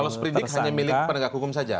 kalau seperindik hanya milik penegak hukum saja